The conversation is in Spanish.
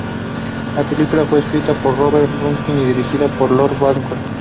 La película fue escrita por Robert Buckner y dirigida por Lloyd Bacon.